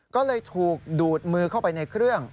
ก็เลยถูกดูดมือเข้าไปในเครื่อง